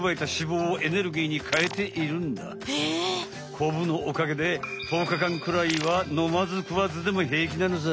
コブのおかげで１０日間くらいはのまずくわずでも平気なのさ。